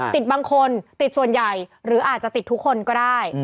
ติดบางคนติดส่วนใหญ่หรืออาจจะติดทุกคนก็ได้